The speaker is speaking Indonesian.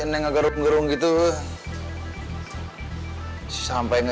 dan nangka dia atau kurang banyak nangka dia nyarisin kristun